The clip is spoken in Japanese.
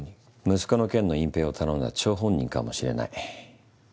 息子の件の隠蔽を頼んだ張本人かもしれない。